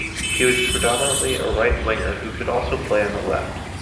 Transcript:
He was predominantly a right winger who could also play on the left.